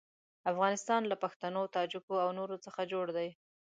افغانستان له پښتنو، تاجکو او نورو څخه جوړ دی.